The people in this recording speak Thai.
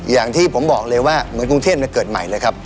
อย่างที่ผมบอกเลยว่าเหมือนกรุงเทพเกิดใหม่เลยครับ